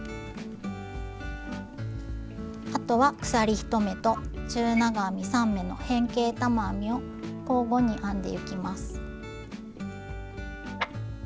あとは鎖１目と中長編み３目の変形玉編みを交互に編んでゆきます。